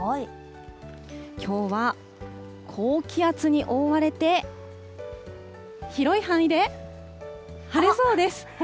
きょうは高気圧に覆われて、広い範囲で晴れそうです。